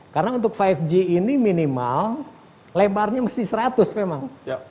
karena untuk lima g ini minimal lebarnya mesti seratus memang